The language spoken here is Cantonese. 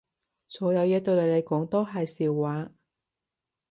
所有嘢對你嚟講都係笑話